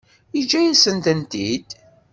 Yeǧǧa-yasent-tent-id.